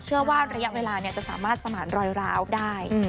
เชื่อว่าระยะเวลาจะสามารถสมารถรอยราวได้